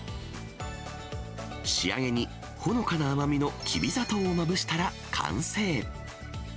仕上げにほのかな甘みのきび砂糖をまぶしたら完成。